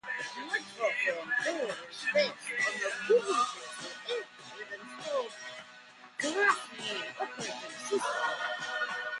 Nitrophone four is based on the Google Pixel eight with installed Graphene Operating System.